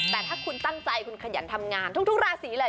แต่ถ้าคุณตั้งใจคุณขยันทำงานทุกราศีเลย